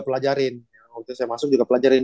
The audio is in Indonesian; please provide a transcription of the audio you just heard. pelajarin yang waktu saya masuk juga pelajarin